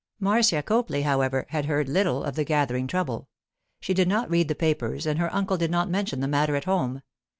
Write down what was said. Marcia Copley, however, had heard little of the gathering trouble. She did not read the papers, and her uncle did not mention the matter at home.